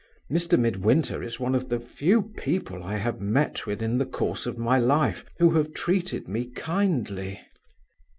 Mr. Midwinter is one of the few people I have met with in the course of my life who have treated me kindly.